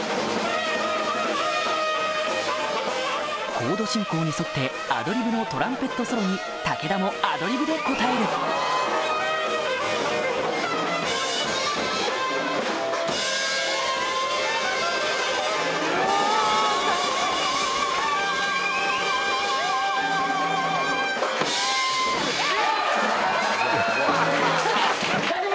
コード進行に沿ってアドリブのトランペットソロに武田もアドリブで応えるイェイ！